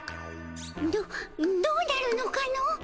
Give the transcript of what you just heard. どどうなるのかの？